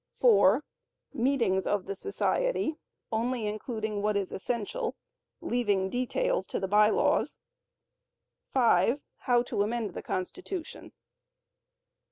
(4) Meetings of the society (only including what is essential, leaving details to the By Laws). (5) How to amend the Constitution.